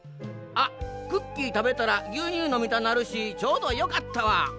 「あっクッキーたべたらぎゅうにゅうのみたなるしちょうどよかったわ。